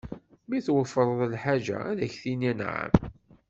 Mi tweffreḍ lḥaǧa, ad ak-d-tini anɛam.